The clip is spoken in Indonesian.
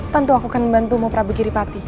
tentu aku akan membantumu pak prabu giripati